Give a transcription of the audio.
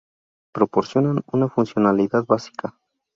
Proporcionan una funcionalidad básica.